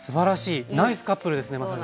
ナイスカップルですねまさに。